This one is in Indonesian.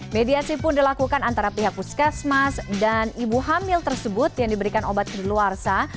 mediasi pun dilakukan antara pihak puskesmas dan ibu hamil tersebut yang diberikan obat kedeluarsa